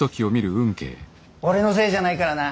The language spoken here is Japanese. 俺のせいじゃないからな。